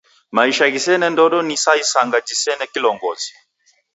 Maisha ghisene ndodo ni sa isanga jisena kilongozi.